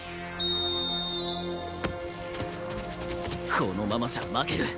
このままじゃ負ける